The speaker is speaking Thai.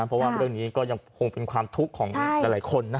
เพราะว่าเรื่องนี้ก็ยังคงเป็นความทุกข์ของหลายคนนะ